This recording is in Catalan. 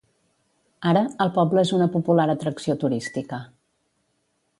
Ara, el poble és una popular atracció turística.